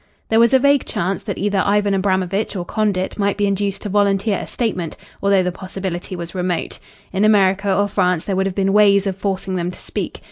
There was a vague chance that either Ivan Abramovitch or Condit might be induced to volunteer a statement, although the possibility was remote. In America or France there would have been ways of forcing them to speak.